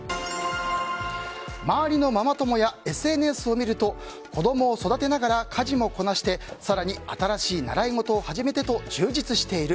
周りのママ友やＳＮＳを見ると子供を育てながら家事もこなして更に新しい習い事を初めてと充実している。